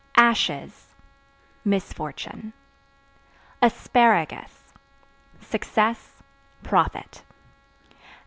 Ashes Misfortune. Asparagus Success, profit.